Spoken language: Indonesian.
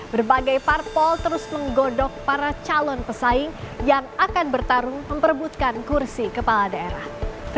berbagai parpol terus menggodok para calon pesaing yang akan bertarung memperebutkan kursi kepala daerah